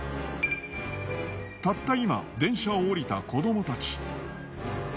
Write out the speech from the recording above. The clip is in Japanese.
たった今電車を降りた子どもたち。